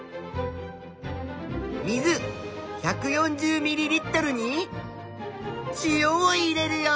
水１４０ミリリットルに塩を入れるよ！